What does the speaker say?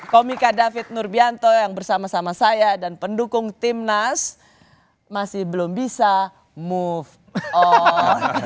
komika david nurbianto yang bersama sama saya dan pendukung timnas masih belum bisa move on